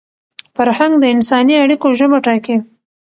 فرهنګ د انساني اړیکو ژبه ټاکي.